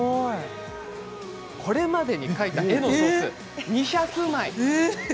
これまでに描いた絵の総数は２００枚。